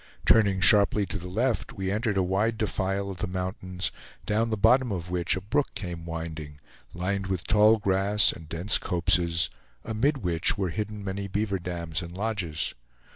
Turning sharply to the left, we entered a wide defile of the mountains, down the bottom of which a brook came winding, lined with tall grass and dense copses, amid which were hidden many beaver dams and lodges.